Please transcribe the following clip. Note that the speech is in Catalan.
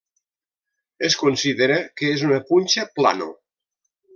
Es considera que és una punxa Plano.